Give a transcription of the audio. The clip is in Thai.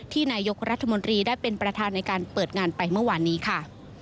นายกรัฐมนตรีได้เป็นประธานในการเปิดงานไปเมื่อวานนี้ค่ะ